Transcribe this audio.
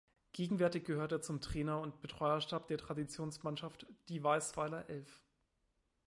Gegenwärtig gehört er zum Trainer- und Betreuerstab der Traditionsmannschaft „Die Weisweiler Elf“.